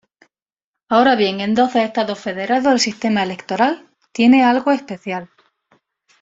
Ahora bien, en doce Estados federados el sistema electoral tiene algo especial.